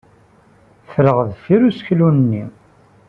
Ffreɣ deffir useklu-nni.